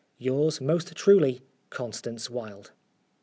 Yours most truly, " CONSTANCE WILDE."